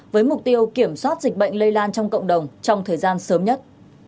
với mục tiêu kiểm soát dịch bệnh lây lan trong cộng đồng trong thời gian sớm nhất